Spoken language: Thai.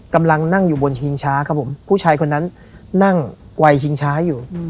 กำลังนั่งอยู่บนชิงช้าครับผมผู้ชายคนนั้นนั่งไวชิงช้าอยู่